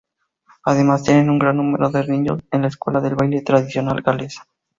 Además tienen un gran número de niños en la escuela de baile tradicional gales.